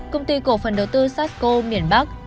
công ty cổ phần đầu tư sasko miền bắc